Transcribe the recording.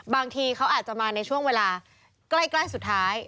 บางทีเขาอาจจะมาในช่วงเวลาใกล้สุดท้าย